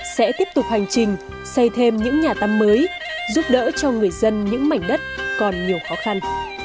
sẽ tiếp tục hành trình xây thêm những nhà tắm mới giúp đỡ cho người dân những mảnh đất còn nhiều khó khăn